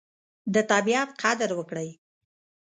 د طبیعت قدر وکړئ.